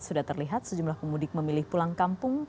sudah terlihat sejumlah pemudik memilih pulang kampung